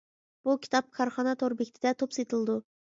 بۇ كىتاب كارخانا تور بېكىتىدە توپ سېتىلىدۇ.